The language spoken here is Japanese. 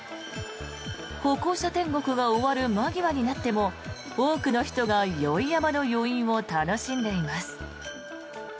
歩行者天国が終わる間際になっても多くの人が宵山の余韻を楽しんでいます。